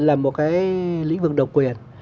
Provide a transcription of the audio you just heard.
là một cái lĩnh vực độc quyền